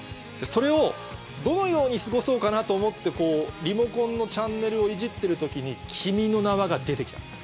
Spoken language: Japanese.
それをどのように過ごそうかなと思ってリモコンのチャンネルをいじってる時に『君の名は。』が出て来た。